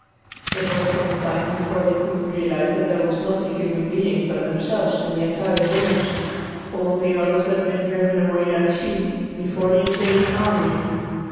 It was some time before they could realize that there was not a human being but themselves in the entire village; all the others had been driven away like sheep, before the invading army.